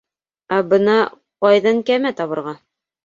- Ә бына ҡайҙан кәмә табырға?